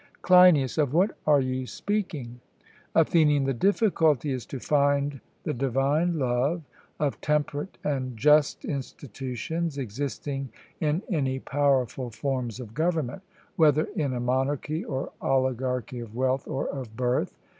CLEINIAS: Of what are you speaking? ATHENIAN: The difficulty is to find the divine love of temperate and just institutions existing in any powerful forms of government, whether in a monarchy or oligarchy of wealth or of birth.